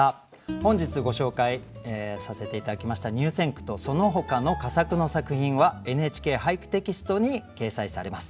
本日ご紹介させて頂きました入選句とそのほかの佳作の作品は「ＮＨＫ俳句」テキストに掲載されます。